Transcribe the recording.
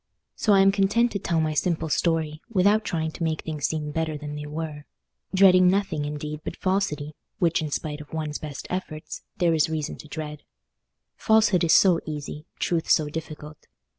So I am content to tell my simple story, without trying to make things seem better than they were; dreading nothing, indeed, but falsity, which, in spite of one's best efforts, there is reason to dread. Falsehood is so easy, truth so difficult.